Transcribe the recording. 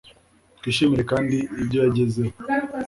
Twishimiye kandi ibyo yagezeho